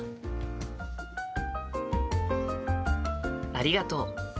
ありがとう。